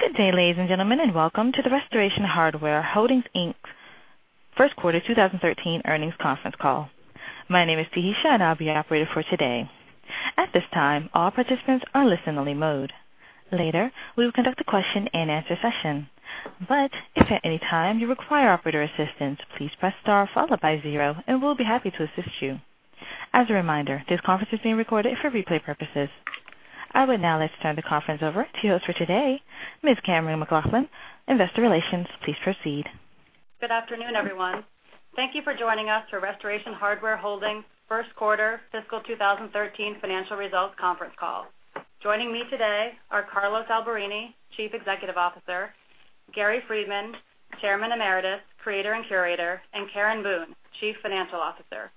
Good day, ladies and gentlemen, welcome to the Restoration Hardware Holdings, Inc.'s first quarter 2013 earnings conference call. My name is Tahisha, and I'll be your operator for today. At this time, all participants are in listen-only mode. Later, we will conduct a question-and-answer session. If at any time you require operator assistance, please press star followed by zero, and we'll be happy to assist you. As a reminder, this conference is being recorded for replay purposes. I would now like to turn the conference over to your host for today, Ms. Cameron McLachlan, investor relations. Please proceed. Good afternoon, everyone. Thank you for joining us for Restoration Hardware Holdings' first quarter fiscal 2013 financial results conference call. Joining me today are Carlos Alberini, Chief Executive Officer; Gary Friedman, Chairman Emeritus, Creator and Curator; and Karen Boone, Chief Financial Officer.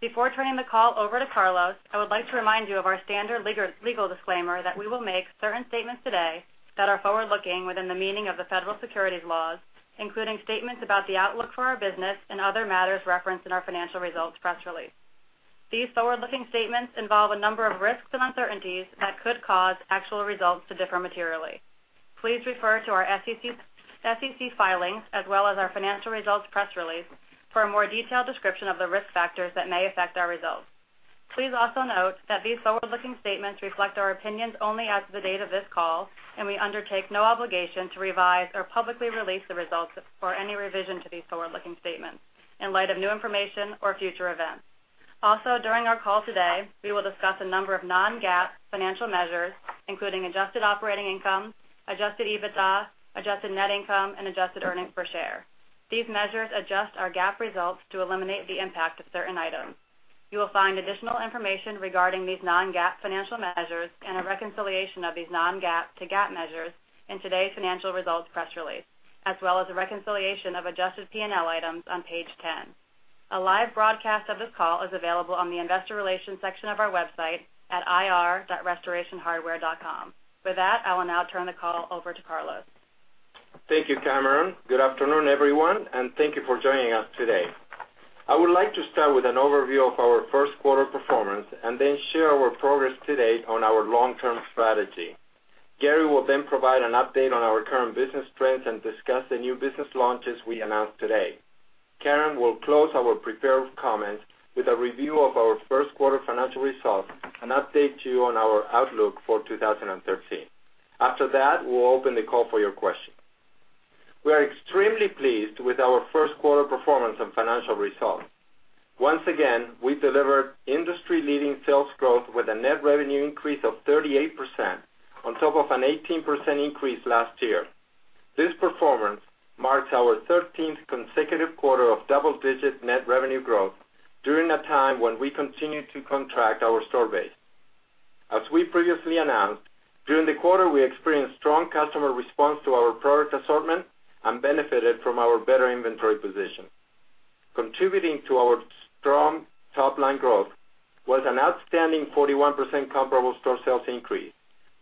Before turning the call over to Carlos, I would like to remind you of our standard legal disclaimer that we will make certain statements today that are forward-looking within the meaning of the federal securities laws, including statements about the outlook for our business and other matters referenced in our financial results press release. These forward-looking statements involve a number of risks and uncertainties that could cause actual results to differ materially. Please refer to our SEC filings as well as our financial results press release for a more detailed description of the risk factors that may affect our results. Please also note that these forward-looking statements reflect our opinions only as of the date of this call, and we undertake no obligation to revise or publicly release the results or any revision to these forward-looking statements in light of new information or future events. During our call today, we will discuss a number of non-GAAP financial measures, including adjusted operating income, adjusted EBITDA, adjusted net income and adjusted earnings per share. These measures adjust our GAAP results to eliminate the impact of certain items. You will find additional information regarding these non-GAAP financial measures and a reconciliation of these non-GAAP to GAAP measures in today's financial results press release, as well as a reconciliation of adjusted P&L items on page 10. A live broadcast of this call is available on the investor relations section of our website at ir.restorationhardware.com. With that, I will now turn the call over to Carlos. Thank you, Cameron. Good afternoon, everyone, and thank you for joining us today. I would like to start with an overview of our first quarter performance and then share our progress to date on our long-term strategy. Gary will then provide an update on our current business trends and discuss the new business launches we announced today. Karen will close our prepared comments with a review of our first quarter financial results and update you on our outlook for 2013. After that, we will open the call for your questions. We are extremely pleased with our first quarter performance and financial results. Once again, we delivered industry-leading sales growth with a net revenue increase of 38% on top of an 18% increase last year. This performance marks our 13th consecutive quarter of double-digit net revenue growth during a time when we continued to contract our store base. As we previously announced, during the quarter, we experienced strong customer response to our product assortment and benefited from our better inventory position. Contributing to our strong top-line growth was an outstanding 41% comparable store sales increase,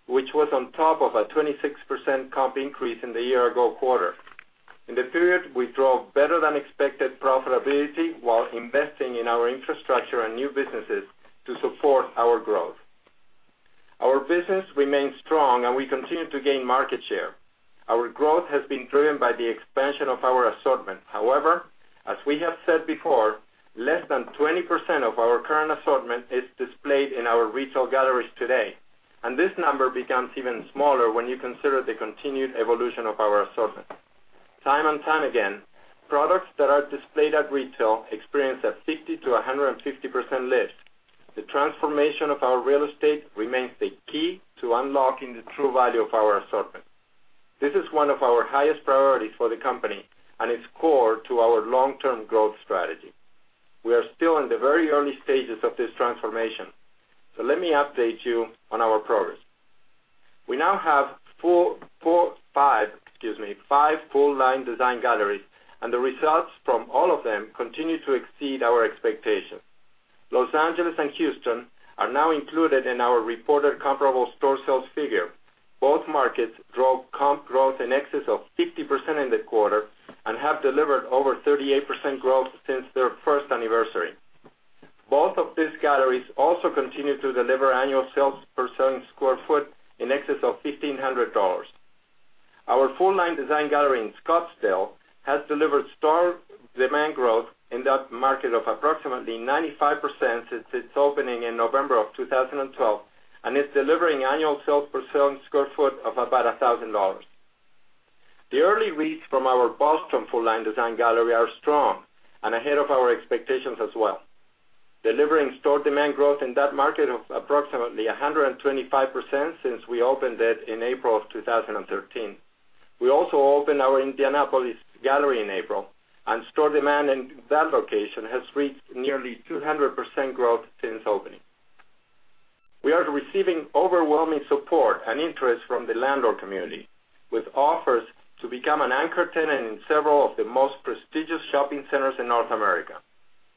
which was on top of a 26% comp increase in the year-ago quarter. In the period, we drove better-than-expected profitability while investing in our infrastructure and new businesses to support our growth. Our business remains strong, and we continue to gain market share. Our growth has been driven by the expansion of our assortment. However, as we have said before, less than 20% of our current assortment is displayed in our retail galleries today, and this number becomes even smaller when you consider the continued evolution of our assortment. Time and time again, products that are displayed at retail experience a 50%-150% lift. The transformation of our real estate remains the key to unlocking the true value of our assortment. This is one of our highest priorities for the company and is core to our long-term growth strategy. We are still in the very early stages of this transformation. So let me update you on our progress. We now have five full-line design galleries, and the results from all of them continue to exceed our expectations. Los Angeles and Houston are now included in our reported comparable store sales figure. Both markets drove comp growth in excess of 50% in the quarter and have delivered over 38% growth since their first anniversary. Both of these galleries also continue to deliver annual sales per selling square foot in excess of $1,500. Our full-line design gallery in Scottsdale has delivered store demand growth in that market of approximately 95% since its opening in November of 2012 and is delivering annual sales per selling square foot of about $1,000. The early reads from our Boston full-line design gallery are strong and ahead of our expectations as well, delivering store demand growth in that market of approximately 125% since we opened it in April of 2013. We also opened our Indianapolis gallery in April, and store demand in that location has reached nearly 200% growth since opening. We are receiving overwhelming support and interest from the landlord community, with offers to become an anchor tenant in several of the most prestigious shopping centers in North America.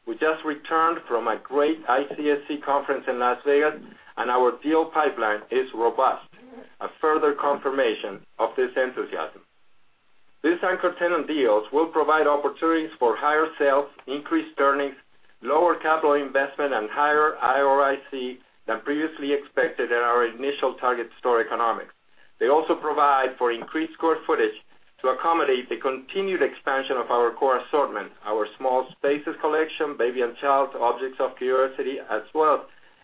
We just returned from a great ICSC conference in Las Vegas. Our deal pipeline is robust, a further confirmation of this enthusiasm. These anchor tenant deals will provide opportunities for higher sales, increased earnings, lower capital investment, and higher ROIC than previously expected at our initial target store economics. They also provide for increased square footage to accommodate the continued expansion of our core assortment, our small spaces collection, baby and child, objects of curiosity, as well as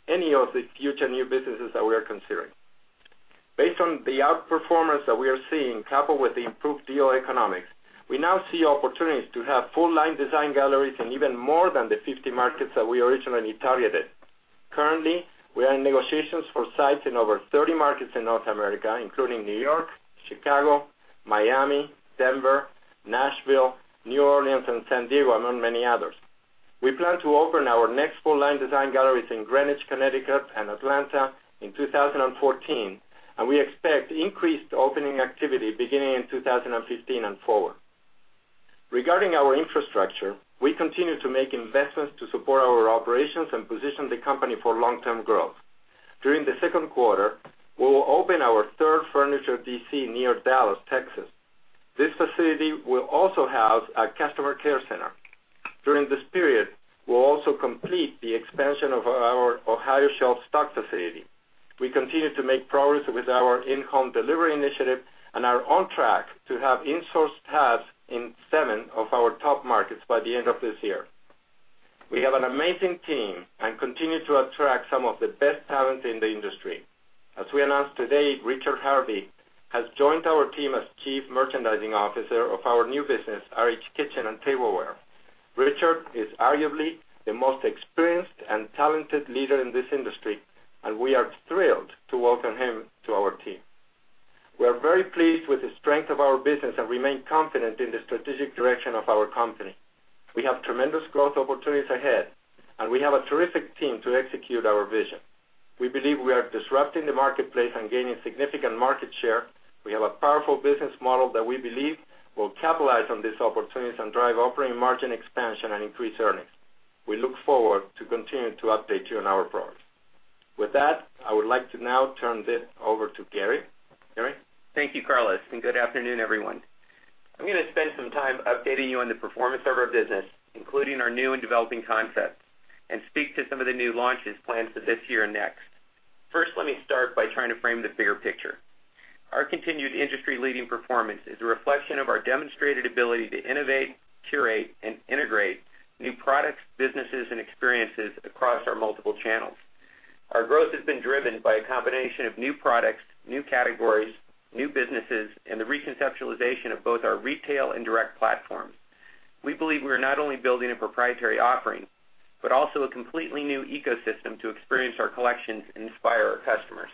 any of the future new businesses that we are considering. Based on the outperformance that we are seeing, coupled with the improved deal economics, we now see opportunities to have full-line design galleries in even more than the 50 markets that we originally targeted. Currently, we are in negotiations for sites in over 30 markets in North America, including New York, Chicago, Miami, Denver, Nashville, New Orleans, and San Diego, among many others. We plan to open our next full-line design galleries in Greenwich, Connecticut, and Atlanta in 2014. We expect increased opening activity beginning in 2015 and forward. Regarding our infrastructure, we continue to make investments to support our operations and position the company for long-term growth. During the second quarter, we will open our third furniture DC near Dallas, Texas. This facility will also have a customer care center. During this period, we'll also complete the expansion of our Ohio shelf stock facility. We continue to make progress with our in-home delivery initiative and are on track to have in-sourced hubs in seven of our top markets by the end of this year. We have an amazing team and continue to attract some of the best talent in the industry. As we announced today, Richard Harvey has joined our team as Chief Merchandising Officer of our new business, RH Kitchen and Tableware. Richard is arguably the most experienced and talented leader in this industry. We are thrilled to welcome him to our team. We are very pleased with the strength of our business and remain confident in the strategic direction of our company. We have tremendous growth opportunities ahead. We have a terrific team to execute our vision. We believe we are disrupting the marketplace and gaining significant market share. We have a powerful business model that we believe will capitalize on these opportunities and drive operating margin expansion and increase earnings. We look forward to continuing to update you on our progress. With that, I would like to now turn this over to Gary. Gary? Thank you, Carlos, and good afternoon, everyone. I'm going to spend some time updating you on the performance of our business, including our new and developing concepts, and speak to some of the new launches planned for this year and next. First, let me start by trying to frame the bigger picture. Our continued industry-leading performance is a reflection of our demonstrated ability to innovate, curate, and integrate new products, businesses, and experiences across our multiple channels. Our growth has been driven by a combination of new products, new categories, new businesses, and the reconceptualization of both our retail and direct platforms. We believe we are not only building a proprietary offering, but also a completely new ecosystem to experience our collections and inspire our customers.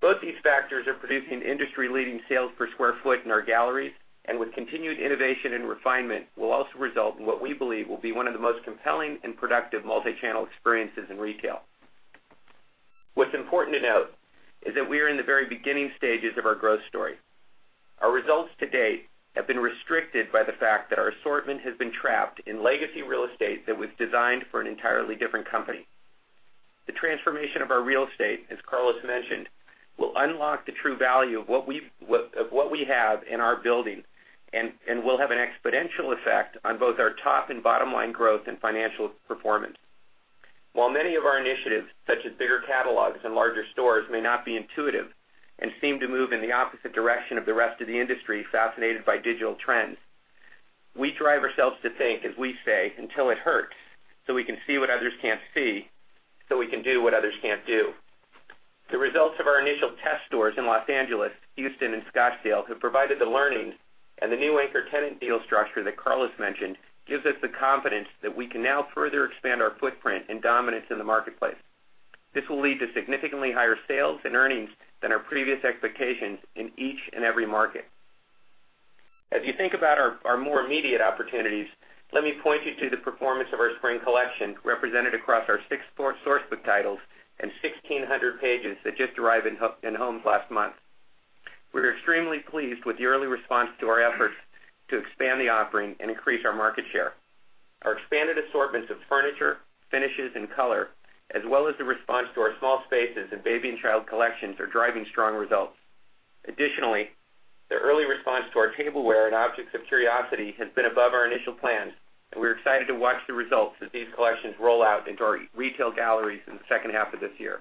Both these factors are producing industry-leading sales per square foot in our galleries, and with continued innovation and refinement, will also result in what we believe will be one of the most compelling and productive multi-channel experiences in retail. What's important to note is that we are in the very beginning stages of our growth story. Our results to date have been restricted by the fact that our assortment has been trapped in legacy real estate that was designed for an entirely different company. The transformation of our real estate, as Carlos mentioned, will unlock the true value of what we have in our building and will have an exponential effect on both our top and bottom-line growth and financial performance. While many of our initiatives, such as bigger catalogs and larger stores, may not be intuitive and seem to move in the opposite direction of the rest of the industry fascinated by digital trends, we drive ourselves to think, as we say, "Until it hurts, so we can see what others can't see, so we can do what others can't do." The results of our initial test stores in Los Angeles, Houston, and Scottsdale, who provided the learnings, and the new anchor tenant deal structure that Carlos mentioned, gives us the confidence that we can now further expand our footprint and dominance in the marketplace. This will lead to significantly higher sales and earnings than our previous expectations in each and every market. As you think about our more immediate opportunities, let me point you to the performance of our spring collection, represented across our six source book titles and 1,600 pages that just arrived in homes last month. We're extremely pleased with the early response to our efforts to expand the offering and increase our market share. Our expanded assortments of furniture, finishes, and color, as well as the response to our small spaces and baby and child collections, are driving strong results. Additionally, the early response to our Tableware and Objects of Curiosity has been above our initial plans, and we're excited to watch the results as these collections roll out into our retail galleries in the second half of this year.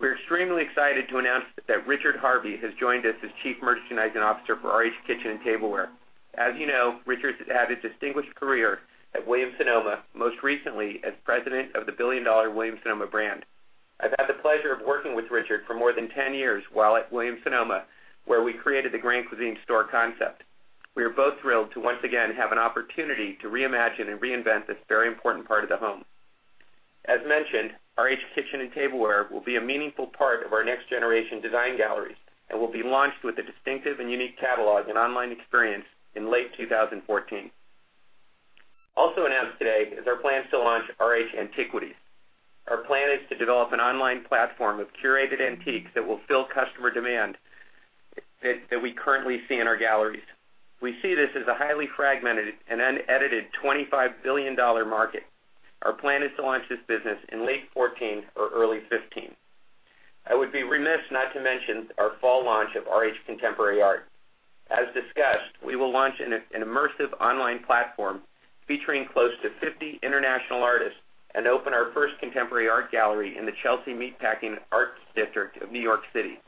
We're extremely excited to announce that Richard Harvey has joined us as Chief Merchandising Officer for RH Kitchen & Tableware. As you know, Richard has had his distinguished career at Williams-Sonoma, most recently as president of the billion-dollar Williams-Sonoma brand. I've had the pleasure of working with Richard for more than 10 years while at Williams-Sonoma, where we created the Grand Cuisine store concept. We are both thrilled to once again have an opportunity to reimagine and reinvent this very important part of the home. As mentioned, RH Kitchen & Tableware will be a meaningful part of our next-generation design galleries and will be launched with a distinctive and unique catalog and online experience in late 2014. Also announced today is our plans to launch RH Antiques & Artifacts. Our plan is to develop an online platform of curated antiques that will fill customer demand that we currently see in our galleries. We see this as a highly fragmented and unedited $25 billion market. Our plan is to launch this business in late 2014 or early 2015. I would be remiss not to mention our fall launch of RH Contemporary Art. As discussed, we will launch an immersive online platform featuring close to 50 international artists and open our first contemporary art gallery in the Chelsea Meatpacking arts district of New York City.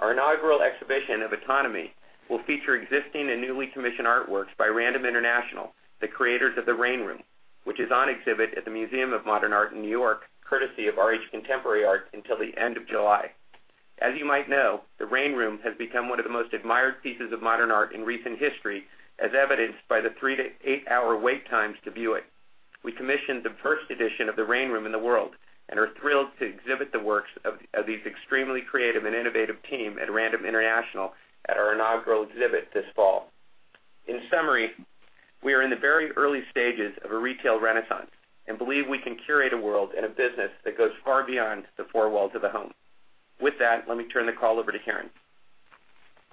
Our inaugural exhibition of Autonomy will feature existing and newly commissioned artworks by Random International, the creators of the Rain Room, which is on exhibit at the Museum of Modern Art in New York, courtesy of RH Contemporary Art, until the end of July. As you might know, the Rain Room has become one of the most admired pieces of modern art in recent history, as evidenced by the three to eight-hour wait times to view it. We commissioned the first edition of the Rain Room in the world and are thrilled to exhibit the works of this extremely creative and innovative team at Random International at our inaugural exhibit this fall. In summary, we are in the very early stages of a retail renaissance and believe we can curate a world and a business that goes far beyond the four walls of the home. With that, let me turn the call over to Karen.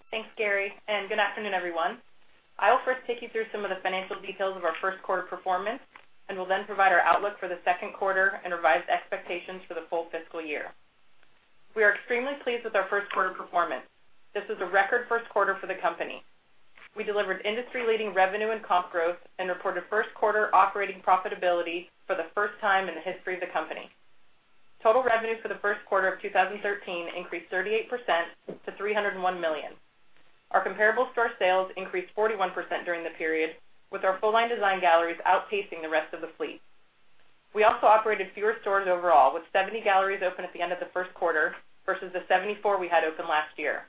Thanks, Gary, and good afternoon, everyone. I will first take you through some of the financial details of our first quarter performance, and will then provide our outlook for the second quarter and revised expectations for the full fiscal year. We are extremely pleased with our first quarter performance. This is a record first quarter for the company. We delivered industry-leading revenue and comp growth and reported first-quarter operating profitability for the first time in the history of the company. Total revenues for the first quarter of 2013 increased 38% to $301 million. Our comparable store sales increased 41% during the period, with our full-line design galleries outpacing the rest of the fleet. We also operated fewer stores overall, with 70 galleries open at the end of the first quarter versus the 74 we had open last year.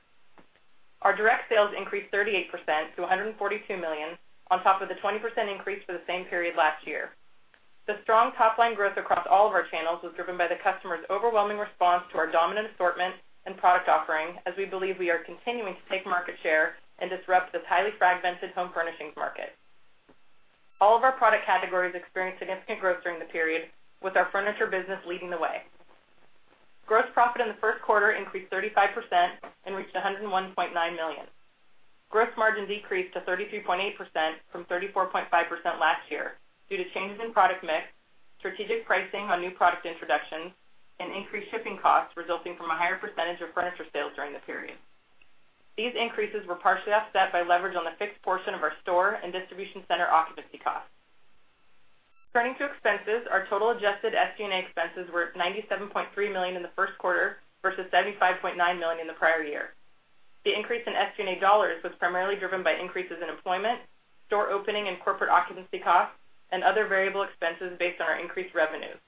Our direct sales increased 38% to $142 million, on top of the 20% increase for the same period last year. The strong top-line growth across all of our channels was driven by the customers' overwhelming response to our dominant assortment and product offering, as we believe we are continuing to take market share and disrupt this highly fragmented home furnishings market. All of our product categories experienced significant growth during the period, with our furniture business leading the way. Gross profit in the first quarter increased 35% and reached $101.9 million. Gross margin decreased to 33.8% from 34.5% last year due to changes in product mix, strategic pricing on new product introductions, and increased shipping costs resulting from a higher percentage of furniture sales during the period. These increases were partially offset by leverage on the fixed portion of our store and distribution center occupancy costs. Turning to expenses, our total adjusted SG&A expenses were $97.3 million in the first quarter versus $75.9 million in the prior year. The increase in SG&A dollars was primarily driven by increases in employment, store opening and corporate occupancy costs, and other variable expenses based on our increased revenues.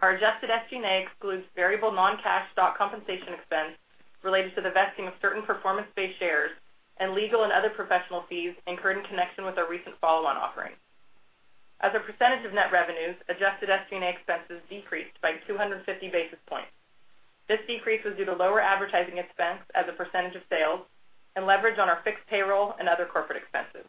Our adjusted SG&A excludes variable non-cash stock compensation expense related to the vesting of certain performance-based shares and legal and other professional fees incurred in connection with our recent follow-on offering. As a percentage of net revenues, adjusted SG&A expenses decreased by 250 basis points. This decrease was due to lower advertising expense as a percentage of sales and leverage on our fixed payroll and other corporate expenses.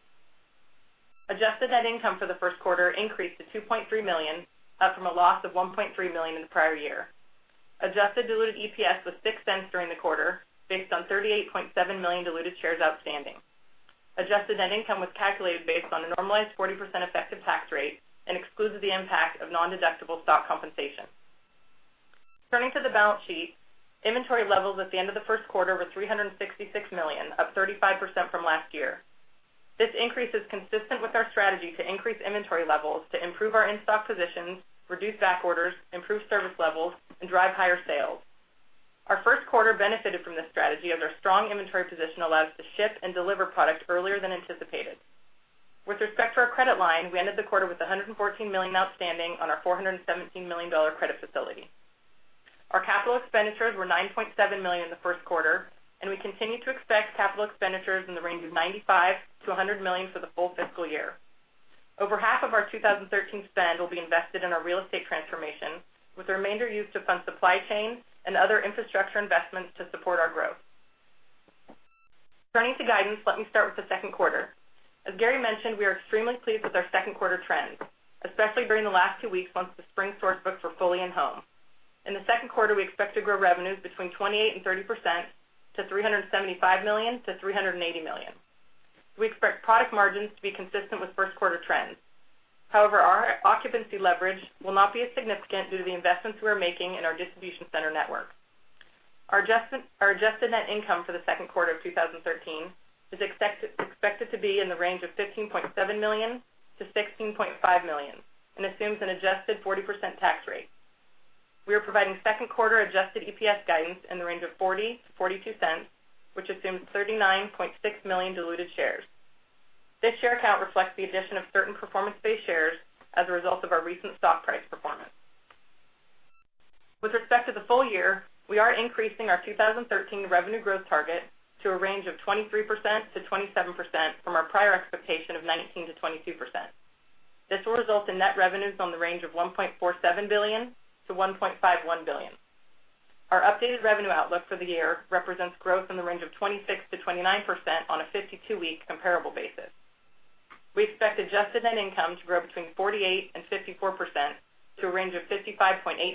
Adjusted net income for the first quarter increased to $2.3 million, up from a loss of $1.3 million in the prior year. Adjusted diluted EPS was $0.06 during the quarter, based on 38.7 million diluted shares outstanding. Adjusted net income was calculated based on a normalized 40% effective tax rate and excludes the impact of non-deductible stock compensation. Turning to the balance sheet, inventory levels at the end of the first quarter were $366 million, up 35% from last year. This increase is consistent with our strategy to increase inventory levels to improve our in-stock positions, reduce backorders, improve service levels, and drive higher sales. Our first quarter benefited from this strategy, as our strong inventory position allowed us to ship and deliver product earlier than anticipated. With respect to our credit line, we ended the quarter with $114 million outstanding on our $417 million credit facility. Our capital expenditures were $9.7 million in the first quarter, and we continue to expect capital expenditures in the range of $95 million-$100 million for the full fiscal year. Over half of our 2013 spend will be invested in our real estate transformation, with the remainder used to fund supply chain and other infrastructure investments to support our growth. Turning to guidance, let me start with the second quarter. As Gary mentioned, we are extremely pleased with our second quarter trends, especially during the last two weeks once the spring source books were fully in home. In the second quarter, we expect to grow revenues between 28% and 30% to $375 million-$380 million. We expect product margins to be consistent with first quarter trends. However, our occupancy leverage will not be as significant due to the investments we are making in our distribution center network. Our adjusted net income for the second quarter of 2013 is expected to be in the range of $15.7 million-$16.5 million and assumes an adjusted 40% tax rate. We are providing second quarter adjusted EPS guidance in the range of $0.40-$0.42, which assumes 39.6 million diluted shares. This share count reflects the addition of certain performance-based shares as a result of our recent stock price performance. With respect to the full year, we are increasing our 2013 revenue growth target to a range of 23%-27% from our prior expectation of 19%-22%. This will result in net revenues on the range of $1.47 billion-$1.51 billion. Our updated revenue outlook for the year represents growth in the range of 26%-29% on a 52-week comparable basis. We expect adjusted net income to grow between 48% and 54% to a range of $55.8 million-$58.2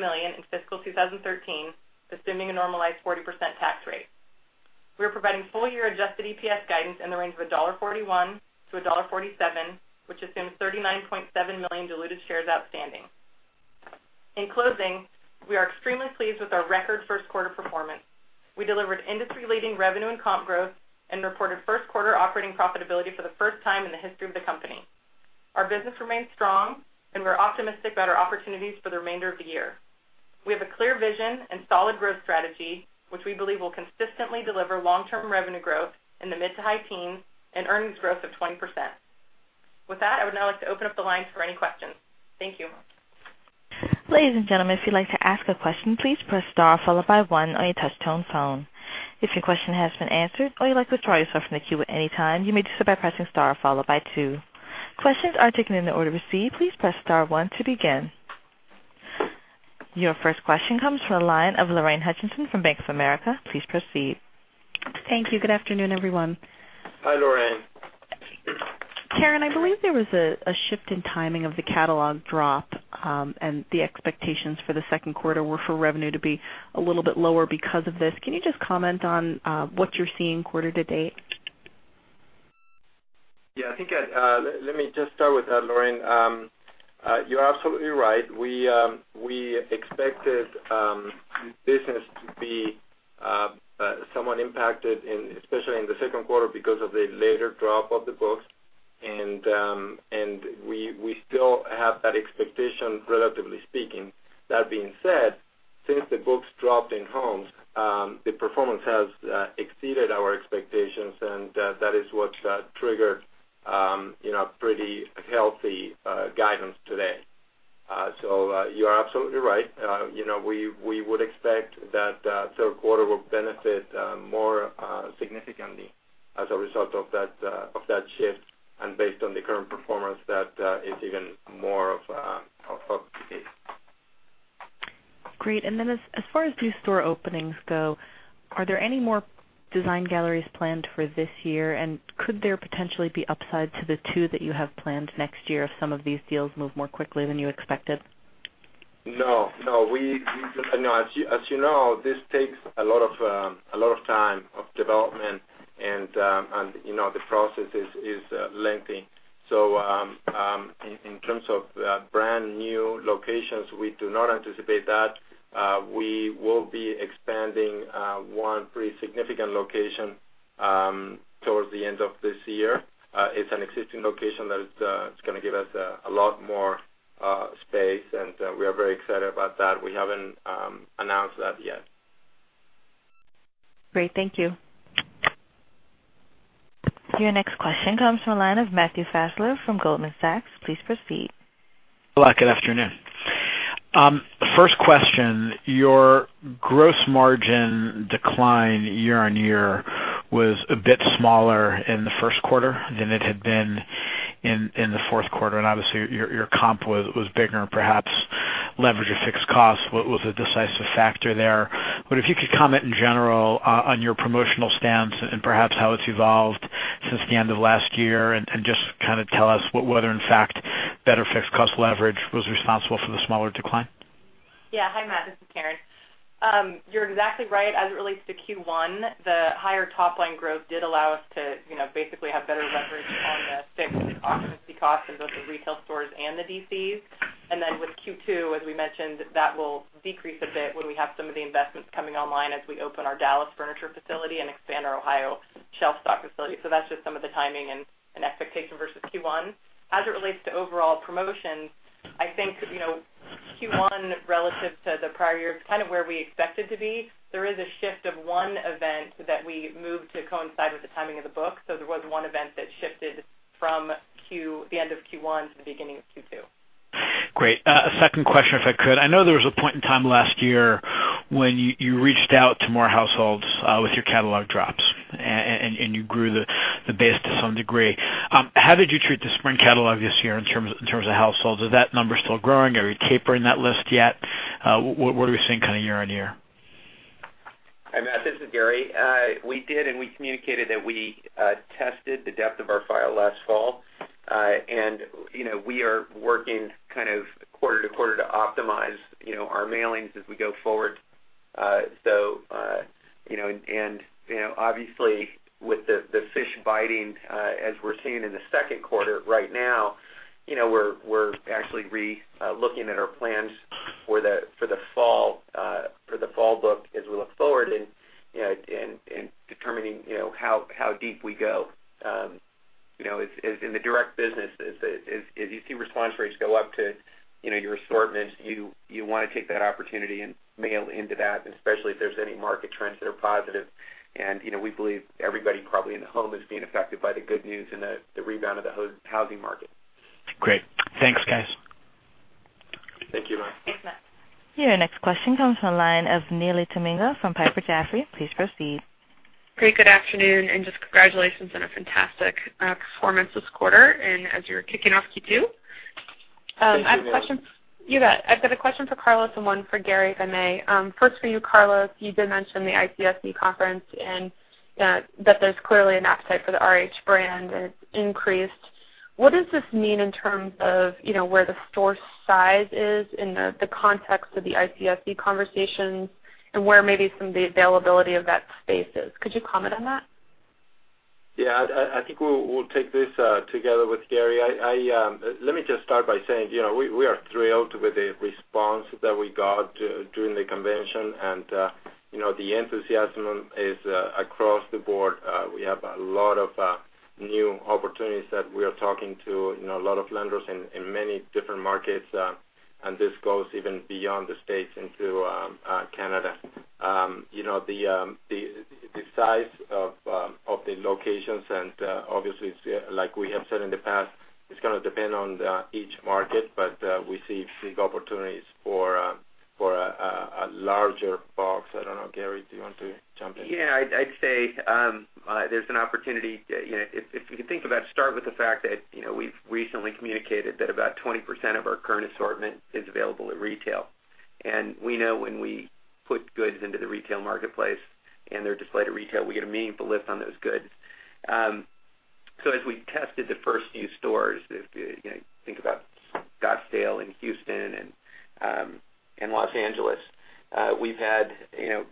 million in fiscal 2013, assuming a normalized 40% tax rate. We are providing full-year adjusted EPS guidance in the range of $1.41-$1.47, which assumes 39.7 million diluted shares outstanding. In closing, we are extremely pleased with our record first quarter performance. We delivered industry-leading revenue and comp growth and reported first quarter operating profitability for the first time in the history of the company. Our business remains strong, and we're optimistic about our opportunities for the remainder of the year. We have a clear vision and solid growth strategy, which we believe will consistently deliver long-term revenue growth in the mid to high teens and earnings growth of 20%. With that, I would now like to open up the line for any questions. Thank you. Ladies and gentlemen, if you'd like to ask a question, please press star followed by one on your touch-tone phone. If your question has been answered or you'd like to withdraw yourself from the queue at any time, you may do so by pressing star followed by two. Questions are taken in the order received. Please press star one to begin. Your first question comes from the line of Lorraine Hutchinson from Bank of America. Please proceed. Thank you. Good afternoon, everyone. Hi, Lorraine. Karen, I believe there was a shift in timing of the catalog drop, and the expectations for the second quarter were for revenue to be a little bit lower because of this. Can you just comment on what you're seeing quarter to date? Yeah, I think let me just start with that, Lorraine. You're absolutely right. We expected business to be somewhat impacted, especially in the second quarter, because of the later drop of the book. We still have that expectation, relatively speaking. That being said, since the books dropped in homes, the performance has exceeded our expectations, and that is what triggered pretty healthy guidance today. You are absolutely right. We would expect that third quarter will benefit more significantly as a result of that shift and based on the current performance that is even more of the case. Great. As far as new store openings go, are there any more design galleries planned for this year? Could there potentially be upside to the two that you have planned next year if some of these deals move more quickly than you expected? No. As you know, this takes a lot of time of development and the process is lengthy. In terms of brand-new locations, we do not anticipate that. We will be expanding one pretty significant location towards the end of this year. It's an existing location that is going to give us a lot more space, and we are very excited about that. We haven't announced that yet. Great. Thank you. Your next question comes from the line of Matthew Fassler from Goldman Sachs. Please proceed. Hello, good afternoon. First question, your gross margin decline year-on-year was a bit smaller in the first quarter than it had been in the fourth quarter, obviously your comp was bigger perhaps, leverage of fixed costs. What was the decisive factor there? If you could comment in general on your promotional stance and perhaps how it's evolved since the end of last year and just tell us whether in fact better fixed cost leverage was responsible for the smaller decline. Hi, Matt, this is Karen. You're exactly right. As it relates to Q1, the higher top-line growth did allow us to basically have better leverage on the fixed occupancy costs in both the retail stores and the DCs. With Q2, as we mentioned, that will decrease a bit when we have some of the investments coming online as we open our Dallas furniture facility and expand our Ohio shelf stock facility. That's just some of the timing and expectation versus Q1. As it relates to overall promotions, I think Q1 relative to the prior year is where we expected to be. There is a shift of one event that we moved to coincide with the timing of the book. There was one event that shifted from the end of Q1 to the beginning of Q2. Great. A second question, if I could. I know there was a point in time last year when you reached out to more households with your catalog drops, and you grew the base to some degree. How did you treat the spring catalog this year in terms of households? Is that number still growing? Are you tapering that list yet? What are we seeing year-on-year? Hi, Matt, this is Gary. We did, we communicated that we tested the depth of our file last fall. We are working quarter-to-quarter to optimize our mailings as we go forward. Obviously, with the fish biting as we're seeing in the second quarter right now, we're actually re-looking at our plans for the fall book as we look forward and determining how deep we go. In the direct business, as you see response rates go up to your assortment, you want to take that opportunity and mail into that, especially if there's any market trends that are positive. We believe everybody probably in the home is being affected by the good news and the rebound of the housing market. Great. Thanks, guys. Thank you, Matt. Thanks, Matt. Your next question comes from the line of Neely Teninga from Piper Jaffray. Please proceed. Great. Good afternoon, just congratulations on a fantastic performance this quarter and as you're kicking off Q2. Thank you, Neely. I've got a question for Carlos and one for Gary, if I may. First for you, Carlos, you did mention the ICSC conference and that there's clearly an appetite for the RH brand that's increased. What does this mean in terms of where the store size is in the context of the ICSC conversations and where maybe some of the availability of that space is? Could you comment on that? Yeah, I think we'll take this together with Gary. Let me just start by saying, we are thrilled with the response that we got during the convention, and the enthusiasm is across the board. We have a lot of new opportunities that we are talking to a lot of lenders in many different markets, and this goes even beyond the U.S. into Canada. The size of the locations and obviously, like we have said in the past, it's going to depend on each market, but we see big opportunities for a larger box. I don't know, Gary, do you want to jump in? Yeah, I'd say there's an opportunity. If you think about, start with the fact that we've recently communicated that about 20% of our current assortment is available at retail. We know when we put goods into the retail marketplace and they're displayed at retail, we get a meaningful lift on those goods. As we tested the first few stores, if you think about Scottsdale and Houston and Los Angeles, we've had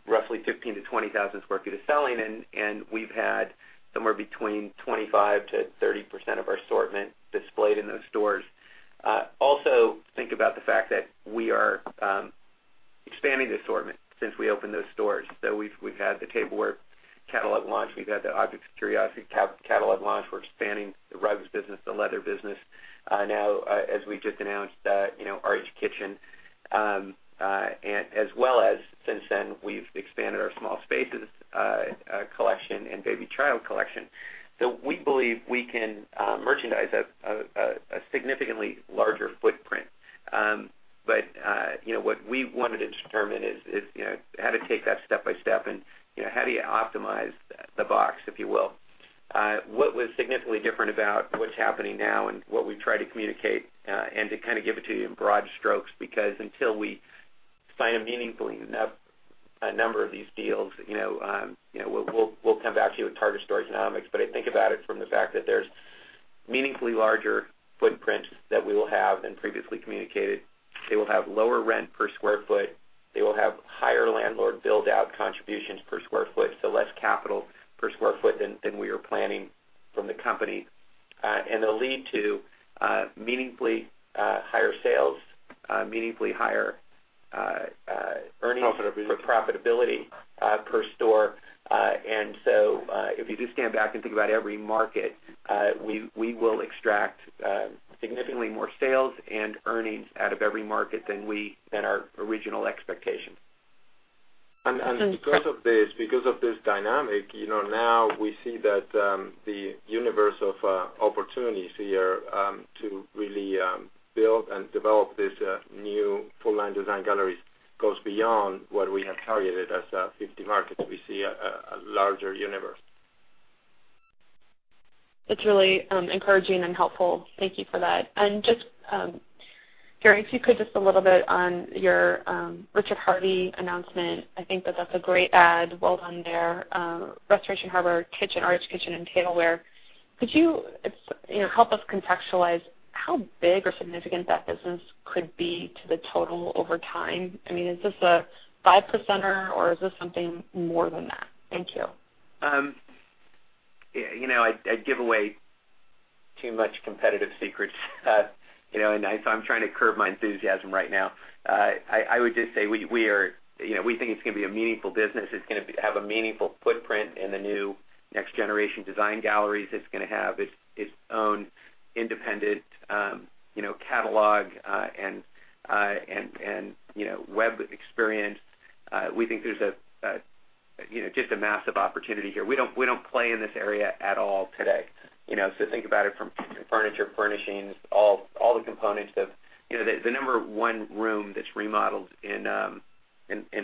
roughly 15,000-20,000 sq ft of selling, and we've had somewhere between 25%-30% of our assortment displayed in those stores. Also, think about the fact that we are expanding the assortment since we opened those stores. We've had the tableware catalog launch, we've had the objects of curiosity catalog launch. We're expanding the rugs business, the leather business. We just announced RH Kitchen, as well as since then, we've expanded our small spaces collection and baby child collection. We believe we can merchandise a significantly larger footprint. What we wanted to determine is how to take that step by step and how do you optimize the box, if you will. What was significantly different about what's happening now and what we try to communicate and to give it to you in broad strokes, because until we sign a meaningfully enough a number of these deals, we'll come back to you with Target store economics. I think about it from the fact that there's meaningfully larger footprints that we will have than previously communicated. They will have lower rent per square foot. They will have higher landlord build-out contributions per square foot, so less capital per square foot than we were planning from the company. They'll lead to meaningfully higher sales, meaningfully higher earnings- Profitability Profitability per store. If you just stand back and think about every market, we will extract significantly more sales and earnings out of every market than our original expectations. Thanks. Because of this dynamic, now we see that the universe of opportunities here to really build and develop this new full-line design gallery goes beyond what we have targeted as 50 markets. We see a larger universe. That's really encouraging and helpful. Thank you for that. Just, Gary, if you could, just a little bit on your Richard Harvey announcement. I think that that's a great add, well done there. Restoration Hardware, Kitchen, RH Kitchen, and Tableware. Could you help us contextualize how big or significant that business could be to the total over time? I mean, is this a five percenter or is this something more than that? Thank you. I'd give away too much competitive secrets. I'm trying to curb my enthusiasm right now. I would just say we think it's going to be a meaningful business. It's going to have a meaningful footprint in the new next generation Design Galleries. It's going to have its own independent catalog and web experience. We think there's just a massive opportunity here. We don't play in this area at all today. Think about it from furniture, furnishings, all the components of the number one room that's remodeled in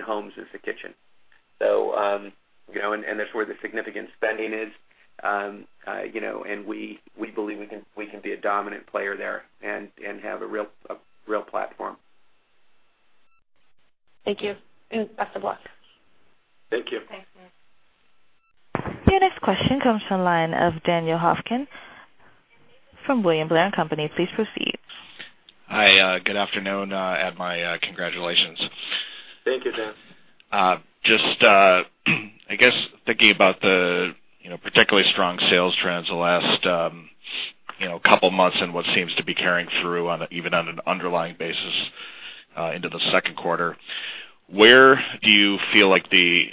homes is the kitchen. That's where the significant spending is. We believe we can be a dominant player there and have a real platform. Thank you, and best of luck. Thank you. Thank you. Your next question comes from line of Daniel Hofkin from William Blair & Company. Please proceed. Hi, good afternoon. I have my congratulations. Thank you, Dan. I guess thinking about the particularly strong sales trends the last couple of months and what seems to be carrying through even on an underlying basis into the second quarter, where do you feel like is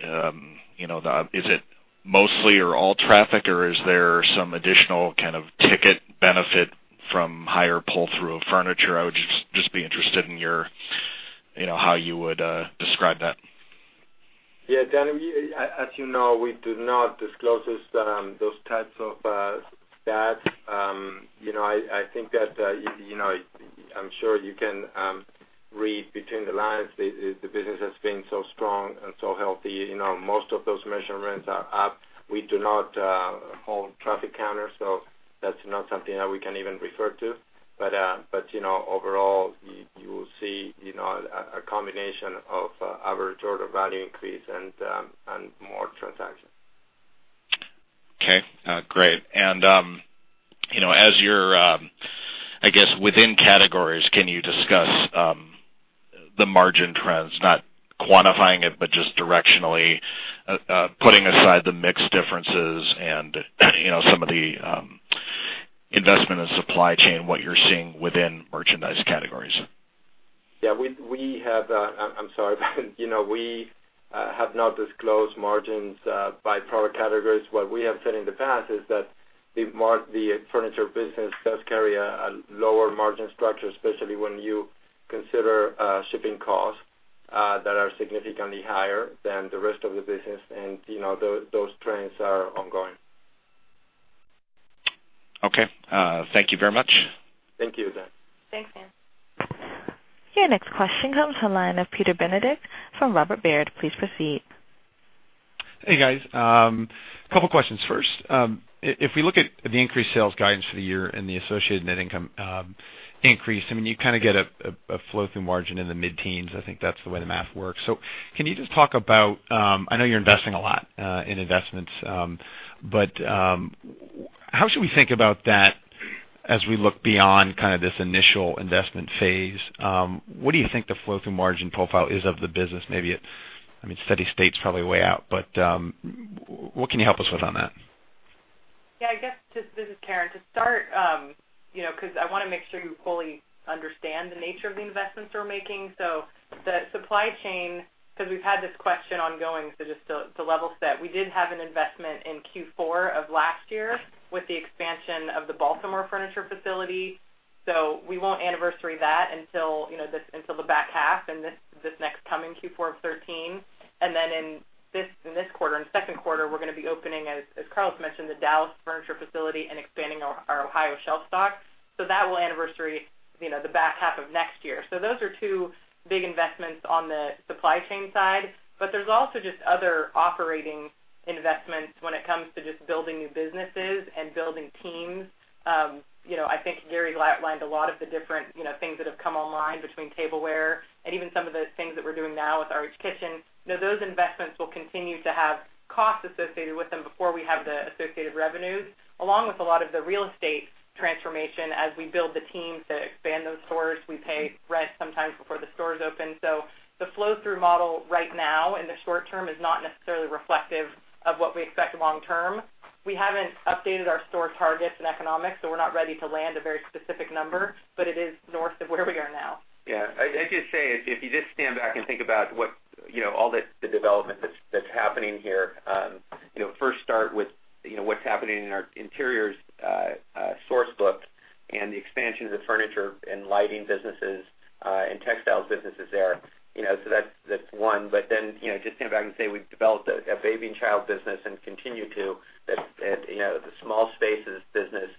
it mostly or all traffic, or is there some additional kind of ticket benefit from higher pull-through of furniture? I would just be interested in how you would describe that. Dan, as you know, we do not disclose those types of stats. I think that I'm sure you can read between the lines. The business has been so strong and so healthy. Most of those measurements are up. We do not own traffic counters, so that's not something that we can even refer to. Overall, you will see a combination of average order value increase and more transactions. Okay. Great. As you're, I guess, within categories, can you discuss the margin trends, not quantifying it, but just directionally, putting aside the mix differences and some of the investment in supply chain, what you're seeing within merchandise categories? I'm sorry. We have not disclosed margins by product categories. What we have said in the past is that the furniture business does carry a lower margin structure, especially when you consider shipping costs that are significantly higher than the rest of the business, those trends are ongoing. Okay. Thank you very much. Thank you, Dan. Thanks, Dan. Your next question comes from the line of Peter Benedict from Robert Baird. Please proceed. Hey, guys. Couple questions. First, if we look at the increased sales guidance for the year and the associated net income increase, you kind of get a flow-through margin in the mid-teens. I think that's the way the math works. Can you just talk about, I know you're investing a lot in investments, but how should we think about that as we look beyond this initial investment phase? What do you think the flow-through margin profile is of the business? Maybe, steady state is probably way out, but what can you help us with on that? This is Karen. To start, because I want to make sure you fully understand the nature of the investments we're making. The supply chain, because we've had this question ongoing, just to level set, we did have an investment in Q4 of last year with the expansion of the Baltimore furniture facility. We won't anniversary that until the back half and this next coming Q4 of 2013. In this quarter, in the second quarter, we're going to be opening, as Carlos mentioned, the Dallas furniture facility and expanding our Ohio shelf stock. That will anniversary the back half of next year. Those are two big investments on the supply chain side, but there's also just other operating investments when it comes to just building new businesses and building teams. I think Gary outlined a lot of the different things that have come online between Tableware and even some of the things that we're doing now with RH Kitchen. Those investments will continue to have costs associated with them before we have the associated revenues, along with a lot of the real estate transformation as we build the teams to expand those stores. We pay rent sometimes before the stores open. The flow-through model right now in the short term is not necessarily reflective of what we expect long term. We haven't updated our store targets and economics, we're not ready to land a very specific number, but it is north of where we are now. I'd just say, if you just stand back and think about all the development that's happening here. First start with what's happening in our interiors source book and the expansion of the furniture and lighting businesses, and textiles businesses there. That's one. Just stand back and say we've developed a baby and child business and continue to. The small spaces business,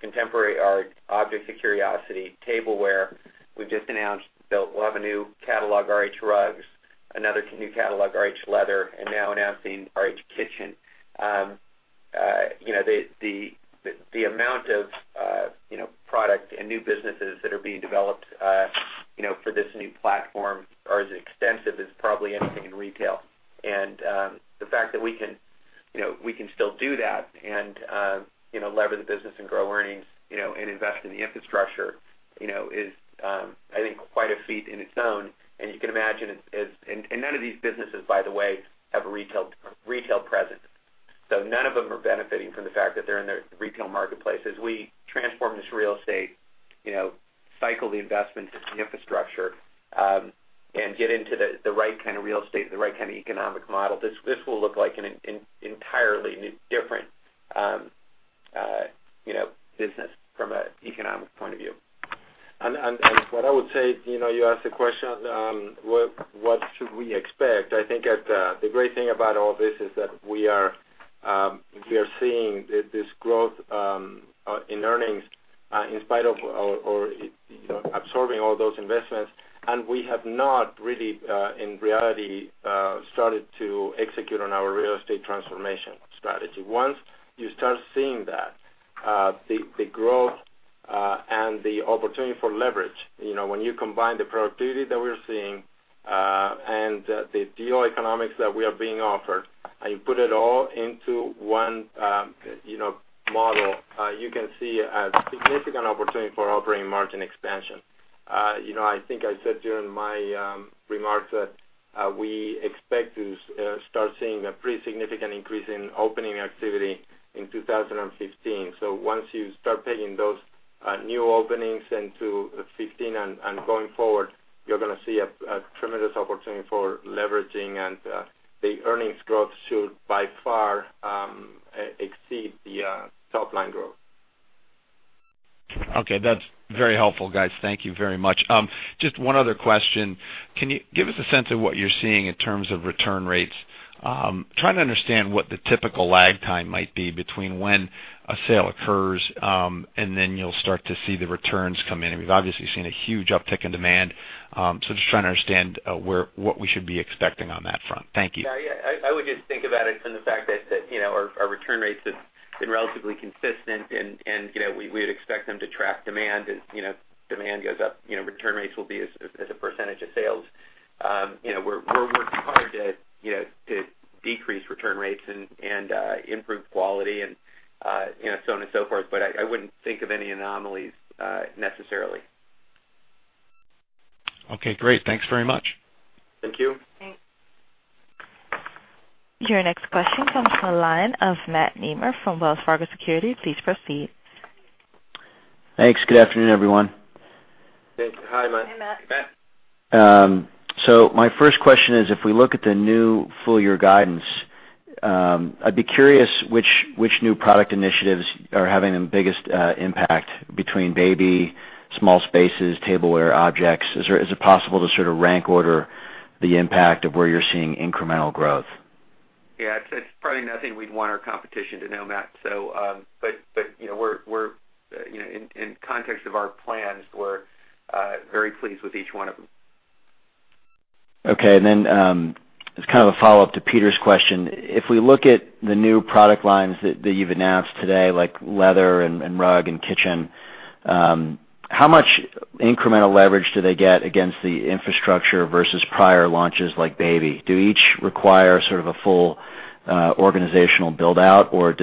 Contemporary Art, Objects of Curiosity, Tableware. We've just announced we'll have a new catalog, RH Rugs, another new catalog, RH Leather, and now announcing RH Kitchen. The amount of product and new businesses that are being developed for this new platform are as extensive as probably anything in retail. The fact that we can still do that and lever the business and grow earnings, and invest in the infrastructure is, I think, quite a feat in its own. You can imagine, none of these businesses, by the way, have a retail presence. None of them are benefiting from the fact that they're in the retail marketplace. As we transform this real estate, cycle the investments into infrastructure and get into the right kind of real estate, the right kind of economic model, this will look like an entirely different business from an economic point of view. What I would say, you asked the question, what should we expect? I think the great thing about all this is that we are seeing this growth in earnings in spite of absorbing all those investments, and we have not really, in reality, started to execute on our real estate transformation strategy. Once you start seeing that, the growth and the opportunity for leverage, when you combine the productivity that we're seeing and the deal economics that we are being offered, and you put it all into one model, you can see a significant opportunity for operating margin expansion. I think I said during my remarks that we expect to start seeing a pretty significant increase in opening activity in 2015. Once you start taking those new openings into 2015 and going forward, you're going to see a tremendous opportunity for leveraging, and the earnings growth should by far exceed the top-line growth. Okay. That's very helpful, guys. Thank you very much. Just one other question. Can you give us a sense of what you're seeing in terms of return rates, trying to understand what the typical lag time might be between when a sale occurs and then you'll start to see the returns come in. We've obviously seen a huge uptick in demand, just trying to understand what we should be expecting on that front. Thank you. I would just think about it from the fact that our return rates have been relatively consistent, and we would expect them to track demand. As demand goes up, return rates will be as a percentage of sales. We're working hard to decrease return rates and improve quality and so on and so forth. I wouldn't think of any anomalies necessarily. Okay, great. Thanks very much. Thank you. Thanks. Your next question comes from the line of Matt Nemer from Wells Fargo Securities. Please proceed. Thanks. Good afternoon, everyone. Hi, Matt. Hey, Matt. My first question is, if we look at the new full-year guidance, I'd be curious which new product initiatives are having the biggest impact between baby, small spaces, tableware, objects. Is it possible to sort of rank order the impact of where you're seeing incremental growth? Yeah, it's probably nothing we'd want our competition to know, Matt. In context of our plans, we're very pleased with each one of them. Okay, then as kind of a follow-up to Peter's question, if we look at the new product lines that you've announced today, like Leather and Rug and Kitchen, how much incremental leverage do they get against the infrastructure versus prior launches like Baby? Do each require sort of a full organizational build-out, or is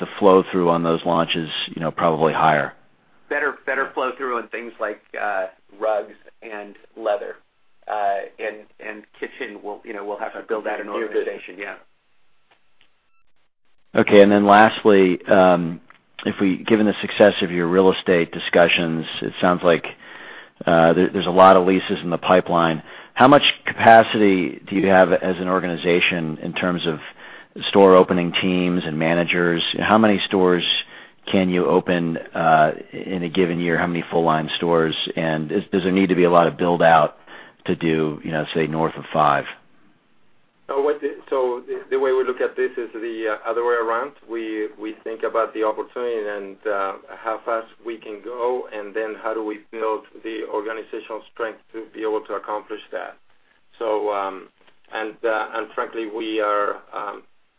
the flow-through on those launches probably higher? Better flow-through on things like Rugs and Leather. Kitchen, we'll have to build that organization, yeah. Okay, then lastly, given the success of your real estate discussions, it sounds like there's a lot of leases in the pipeline. How much capacity do you have as an organization in terms of store opening teams and managers? How many stores can you open in a given year? How many full-line stores? Does there need to be a lot of build-out to do, say, north of five? The way we look at this is the other way around. We think about the opportunity and how fast we can go, and then how do we build the organizational strength to be able to accomplish that. Frankly, we are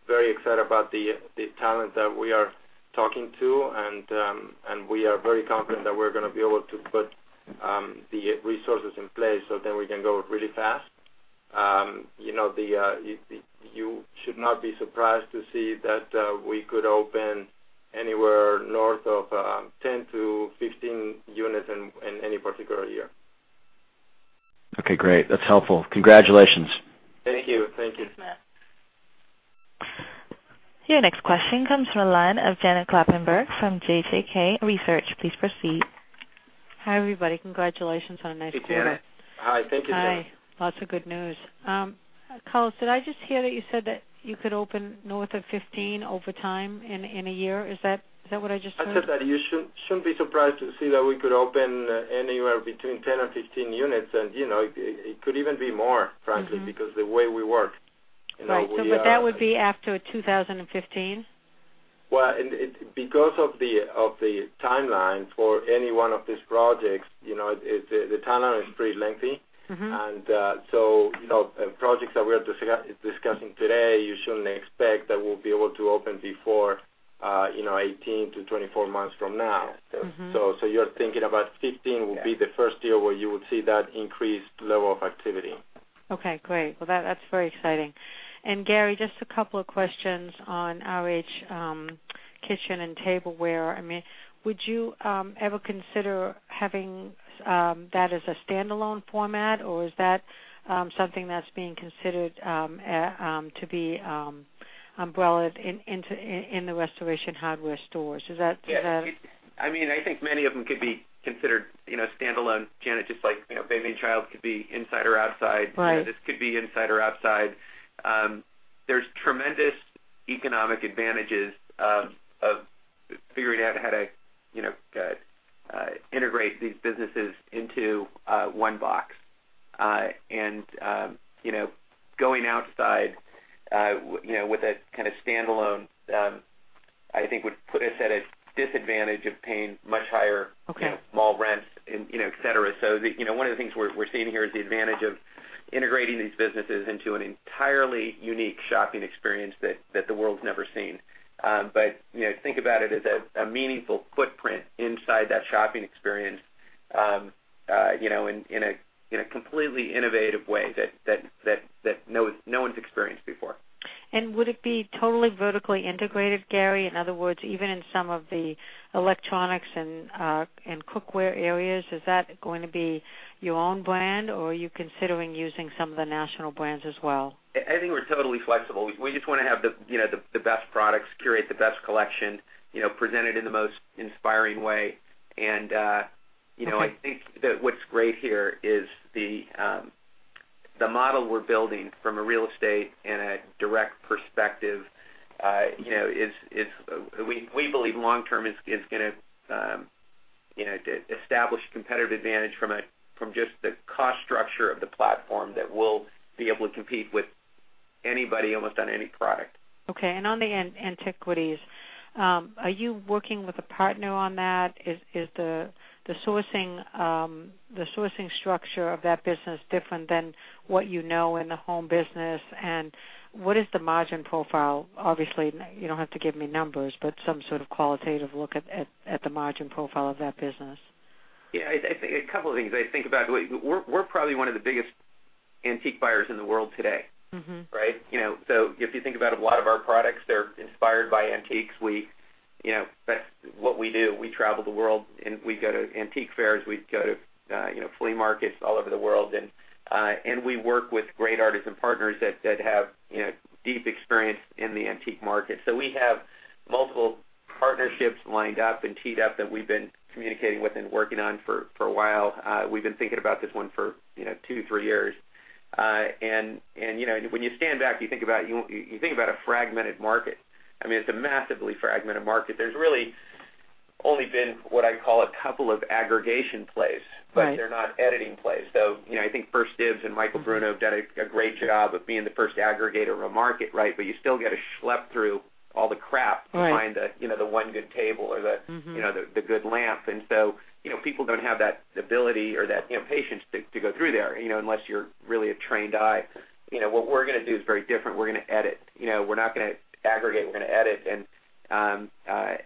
very excited about the talent that we are talking to, and we are very confident that we're going to be able to put the resources in place so then we can go really fast. You should not be surprised to see that we could open anywhere north of 10-15 units in any particular year. Okay, great. That's helpful. Congratulations. Thank you. Thank you. Thanks, Matt. Your next question comes from the line of Janet Kloppenburg from JJK Research. Please proceed. Hi, everybody. Congratulations on a nice quarter. Hey, Janet. Hi. Thank you, Janet. Hi. Lots of good news. Carlos, did I just hear that you said that you could open north of 15 over time in a year? Is that what I just heard? I said that you shouldn't be surprised to see that we could open anywhere between 10 and 15 units, and it could even be more, frankly. Because the way we work. Right. That would be after 2015? Because of the timeline for any one of these projects, the timeline is pretty lengthy. Projects that we are discussing today, you shouldn't expect that we'll be able to open before 18 to 24 months from now. You're thinking about 2015 will be the first year where you would see that increased level of activity. Okay, great. Well, that's very exciting. Gary, just a couple of questions on RH Kitchen & Tableware. Would you ever consider having that as a standalone format, or is that something that's being considered to be umbrellad in the Restoration Hardware stores? Yeah. I think many of them could be considered standalone, Janet, just like Baby and Child could be inside or outside. Right. This could be inside or outside. There's tremendous economic advantages of figuring out how to integrate these businesses into one box. Going outside with a kind of standalone, I think would put us at a disadvantage of paying much higher. Okay One of the things we're seeing here is the advantage of integrating these businesses into an entirely unique shopping experience that the world's never seen. Think about it as a meaningful footprint inside that shopping experience in a completely innovative way that no one's experienced before. Would it be totally vertically integrated, Gary? In other words, even in some of the electronics and cookware areas, is that going to be your own brand, or are you considering using some of the national brands as well? I think we're totally flexible. We just want to have the best products, curate the best collection, present it in the most inspiring way. I think that what's great here is the model we're building from a real estate and a direct perspective, we believe long term is going to establish competitive advantage from just the cost structure of the platform that we'll be able to compete with anybody almost on any product. Okay, on the antiquities, are you working with a partner on that? Is the sourcing structure of that business different than what you know in the home business? What is the margin profile? Obviously, you don't have to give me numbers, but some sort of qualitative look at the margin profile of that business. Yeah, a couple of things. I think about we're probably one of the biggest antique buyers in the world today. Right? If you think about it, a lot of our products, they're inspired by antiques. That's what we do. We travel the world, we go to antique fairs, we go to flea markets all over the world, we work with great artisan partners that have deep experience in the antique market. We have multiple partnerships lined up and teed up that we've been communicating with and working on for a while. We've been thinking about this one for two, three years. When you stand back, you think about a fragmented market. It's a massively fragmented market. There's really only been what I call a couple of aggregation plays- Right They're not editing plays. I think 1stDibs and Michael Bruno have done a great job of being the first aggregator of a market, right? You still got to schlep through all the crap- Right to find the one good table or the- good lamp. People don't have that ability or that patience to go through there, unless you're really a trained eye. What we're going to do is very different. We're going to edit. We're not going to aggregate. We're going to edit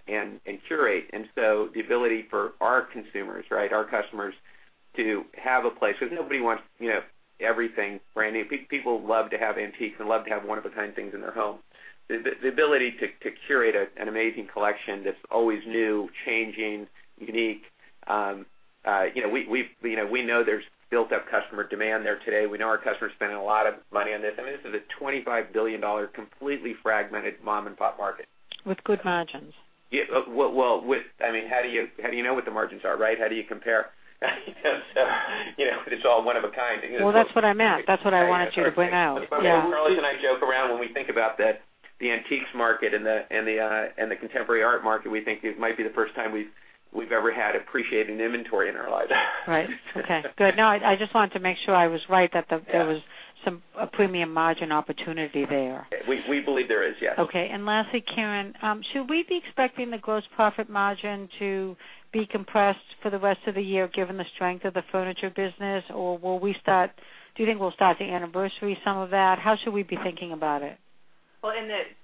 and curate. The ability for our consumers, our customers to have a place, because nobody wants everything brand new. People love to have antiques and love to have one-of-a-kind things in their home. The ability to curate an amazing collection that's always new, changing, unique. We know there's built-up customer demand there today. We know our customers are spending a lot of money on this. This is a $25 billion completely fragmented mom-and-pop market. With good margins. Yeah. Well, how do you know what the margins are, right? How do you compare? It's all one of a kind. Well, that's what I meant. That's what I wanted you to point out. Yeah. Carlos and I joke around when we think about the antiques market and the contemporary art market. We think it might be the first time we've ever had appreciating inventory in our lives. Okay, good. I just wanted to make sure I was right that there was some premium margin opportunity there. We believe there is, yes. Okay. Lastly, Karen, should we be expecting the gross profit margin to be compressed for the rest of the year given the strength of the furniture business? Do you think we'll start to anniversary some of that? How should we be thinking about it? Well,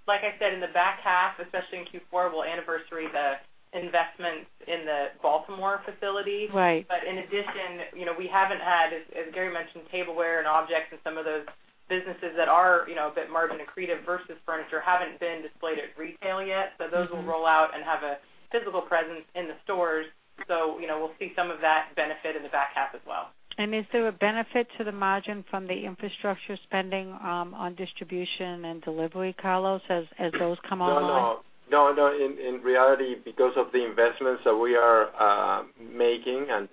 like I said, in the back half, especially in Q4, we'll anniversary the investments in the Baltimore facility. Right. In addition, we haven't had, as Gary mentioned, tableware and objects and some of those businesses that are a bit margin accretive versus furniture haven't been displayed at retail yet. Those will roll out and have a physical presence in the stores. We'll see some of that benefit in the back half as well. Is there a benefit to the margin from the infrastructure spending on distribution and delivery, Carlos, as those come online? No. In reality, because of the investments that we are making, and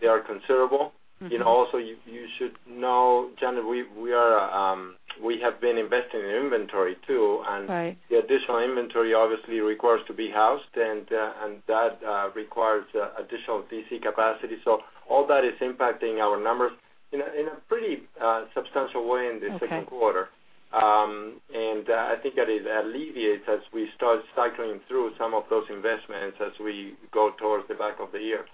they are considerable. Also, you should know, Janet, we have been investing in inventory too. Right The additional inventory obviously requires to be housed, and that requires additional DC capacity. All that is impacting our numbers in a pretty substantial way in the second quarter. Okay. I think that it alleviates as we start cycling through some of those investments as we go towards the back of the year.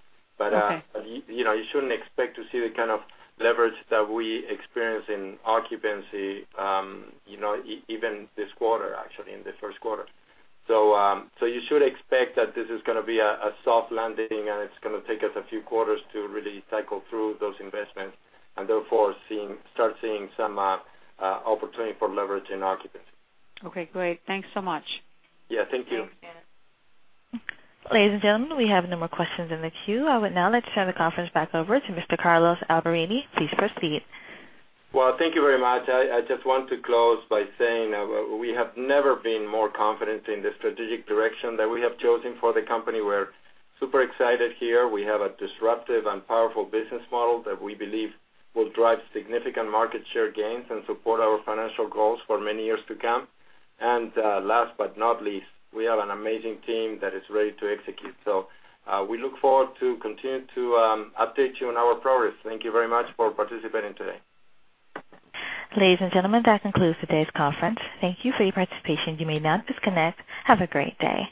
Okay. You shouldn't expect to see the kind of leverage that we experience in occupancy even this quarter, actually, in the first quarter. You should expect that this is going to be a soft landing, and it's going to take us a few quarters to really cycle through those investments and therefore start seeing some opportunity for leverage in occupancy. Okay, great. Thanks so much. Yeah, thank you. Thanks, Janet. Ladies and gentlemen, we have no more questions in the queue. I would now like to turn the conference back over to Mr. Carlos Alberini. Please proceed. Well, thank you very much. I just want to close by saying we have never been more confident in the strategic direction that we have chosen for the company. We're super excited here. We have a disruptive and powerful business model that we believe will drive significant market share gains and support our financial goals for many years to come. Last but not least, we have an amazing team that is ready to execute. We look forward to continue to update you on our progress. Thank you very much for participating today. Ladies and gentlemen, that concludes today's conference. Thank you for your participation. You may now disconnect. Have a great day.